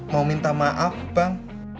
mau minta maaf bang